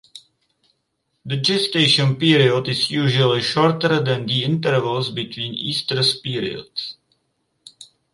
The gestation period is usually shorter than the intervals between oestrus periods.